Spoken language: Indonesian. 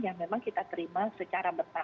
yang memang kita terima secara bertahap